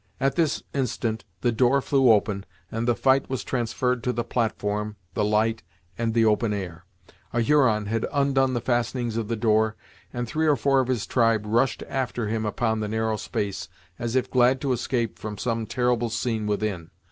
At this instant the door flew open, and the fight was transferred to the platform, the light and the open air. A Huron had undone the fastenings of the door, and three or four of his tribe rushed after him upon the narrow space, as if glad to escape from some terrible scene within.